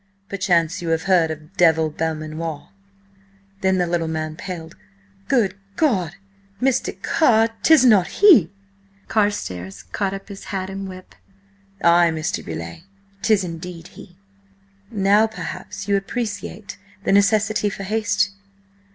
Perchance you have heard of Devil Belmanoir?" Then the little man paled. "Good God, Mr. Carr, 'tis not he?" Carstares caught up his hat and whip. "Ay, Mr. Beauleigh, 'tis indeed he. Now perhaps you appreciate the necessity for haste?"